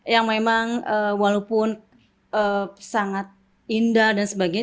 yang memang walaupun sangat indah dan sebagainya